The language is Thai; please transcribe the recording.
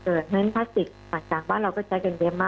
เพราะฉะนั้นถ้าสิตผ่านจากนั้นเราก็จะเกิดเวียบมาก